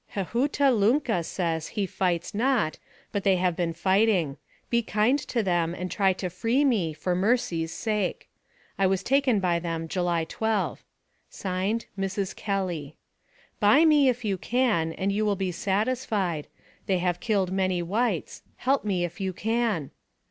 " Hehutalunca says he fights not, but they have been fighting. Be kind to them, and try to free me, for mercy's sake. " I was taken by them July 12. (Signed) "MRS. KELLY." " Buy me if you can, and you will be satisfied. They have killed many whites. Help me if you can.